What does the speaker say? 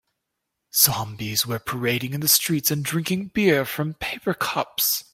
Zombies were parading in the streets and drinking beer from paper cups.